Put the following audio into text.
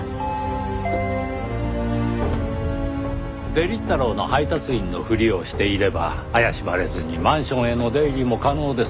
デリッタロウの配達員のフリをしていれば怪しまれずにマンションへの出入りも可能です。